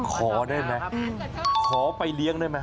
ขอได้ไหมขอไปเลี้ยงได้ไหม